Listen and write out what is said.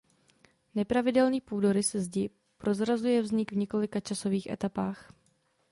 Nepravidelný půdorys zdi prozrazuje vznik v několika časových etapách.